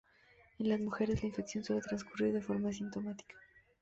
En las mujeres, la infección suele transcurrir de forma asintomática.